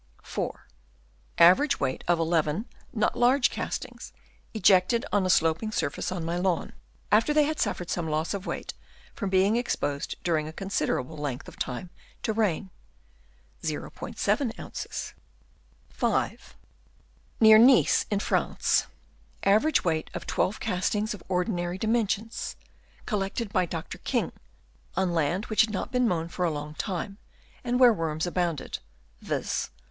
— Average weight of 11 not large castings j ejected on a sloping surface on my lawn, after they I had suffered some loss of weight from being exposed j during a considerable length of time to rain .. J (5.) Near Nice in France. — Average weight of 12' castings of ordinary dimensions, collected by Dr. King on land which had not been mown for a long time and where worms abounded, viz.